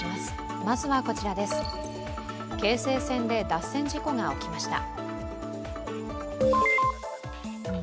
京成線で脱線事故が起きました。